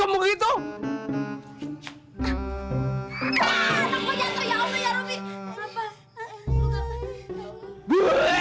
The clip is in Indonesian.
aaaa takut jatuh ya allah ya rumi